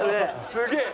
すげえ。